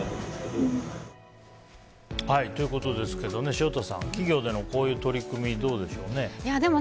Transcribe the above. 潮田さん、企業でのこういう取り組みどうでしょう。